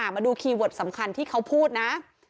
มาดูคีย์เวิร์ดสำคัญที่เขาพูดนะ